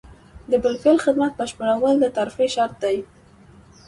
د بالفعل خدمت بشپړول د ترفیع شرط دی.